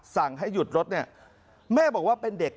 สั่งให้หยุดรถเนี่ยแม่บอกว่าเป็นเด็ก